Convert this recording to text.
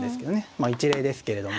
まあ一例ですけれども。